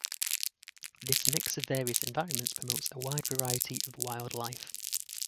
This mix of various environments promotes a wide variety of wildlife.